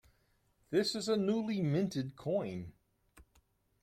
This is a newly minted coin.